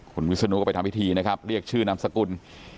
คุณวิศนุก็ไปทำพิธีนะครับเรียกชื่อนามสกุล